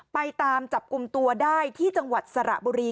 ไปตามจับกลุ่มตัวได้ที่จังหวัดสระบุรี